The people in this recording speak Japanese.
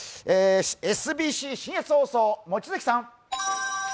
ＳＢＣ信越放送・望月さん。